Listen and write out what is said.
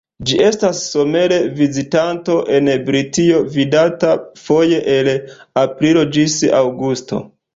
Ĝi estas somere vizitanto en Britio, vidata foje el aprilo ĝis aŭgusto.